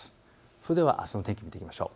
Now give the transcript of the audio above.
それではあすの天気を見ていきましょう。